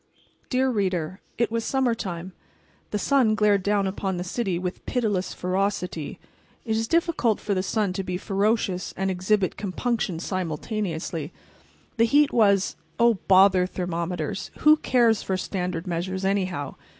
_" Dear Reader: It was summertime. The sun glared down upon the city with pitiless ferocity. It is difficult for the sun to be ferocious and exhibit compunction simultaneously. The heat was—oh, bother thermometers!—who cares for standard measures, anyhow?